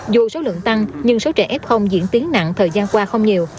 dù số lượng tăng nhưng số trẻ f diễn tiến nặng thời gian qua không nhiều